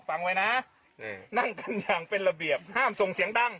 ฟังไว้นะนั่งกันอย่างเป็นระเบียบห้ามส่งเสียงดัง